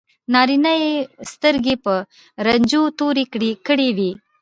نارینه یې سترګې په رنجو تورې کړې وي.